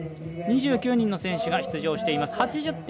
２９人の選手が出場しています。